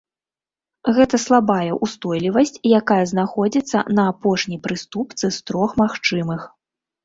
Гэта слабая ўстойлівасць, якая знаходзіцца на апошняй прыступцы з трох магчымых.